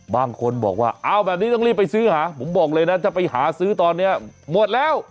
บางคนบอกว่าเอาแบบนี้ต้องรีบไปซื้อหาผมบอกเลยนะถ้าไปหาซื้อตอนนี้หมดแล้ว